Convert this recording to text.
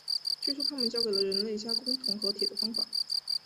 据说他们教给了人类加工铜和铁的方法。